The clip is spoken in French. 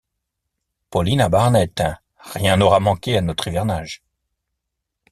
Paulina Barnett, rien n’aura manqué à notre hivernage!